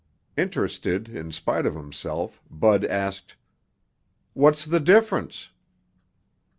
Interested in spite of himself, Bud asked, "What's the difference?"